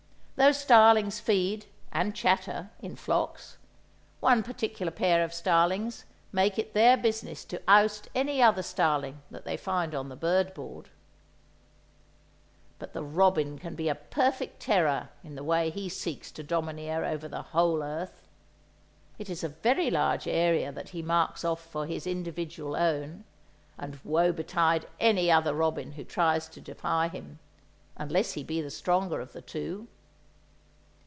Though starlings feed—and chatter—in flocks, one particular pair of starlings make it their business to oust any other starling that they find on the bird board. But the robin can be a perfect terror in the way he seeks to domineer over the whole earth. It is a very large area that he marks off for his individual own, and woe betide any other robin who tries to defy him—unless he be the stronger of the two.